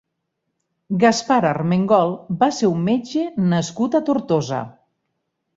Gaspar Armengol va ser un metge nascut a Tortosa.